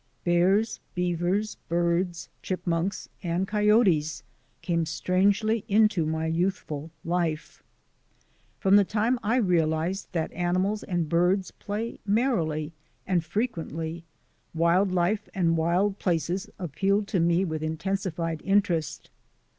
Bears, beavers, birds, chipmunks, and coyotes came strangely into my youthful life. LANDMARKS 143 From the time I realized that animals and birds play merrily and frequently, wild life and wild places appealed to me with intensified interest.